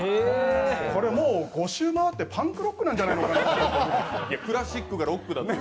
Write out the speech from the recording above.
これ、もう５周回ってパンクロックなんじゃないかなと。